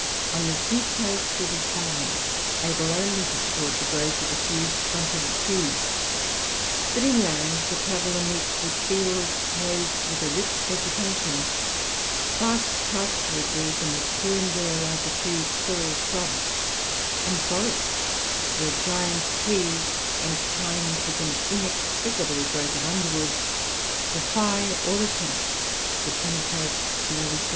On the sea coast it is barren, able only to support the growth of a few stunted trees; but inland the traveller meets with fields clothed with a rich vegetation, vast pasturages in which here and there rise a few tall shrubs, and forests where giant trees entwined with an inextricable growth of underwood, defy all attempts to penetrate to their recesses.